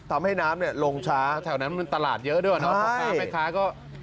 ทำให้น้ำลงช้าแถวนั้นมันตลาดเยอะด้วยหรือเปล่าค้าไม่ค้าก็